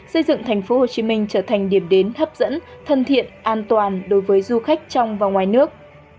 xây dựng thành phố hồ chí minh trở thành điểm đến hấp dẫn thân thiện an toàn đối với du khách trong và ngoài nước